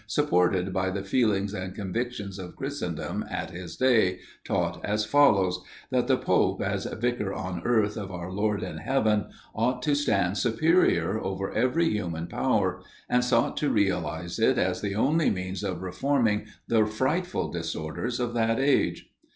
supported by the feelings and convictions of Christendom at his day, taught as follows: that the Pope, as Vicar on earth of our Lord in heaven, ought to stand superior over every human power; and sought to realize it as the only means of reforming the frightful disorders of that age.